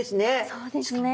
そうですね。